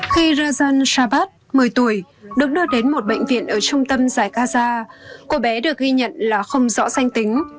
khi rajan sabat một mươi tuổi được đưa đến một bệnh viện ở trung tâm giải gaza cô bé được ghi nhận là không rõ danh tính